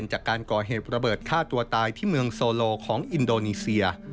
หรือฆ่าตัวตายที่เมืองโซโลของอินโดนีเซีย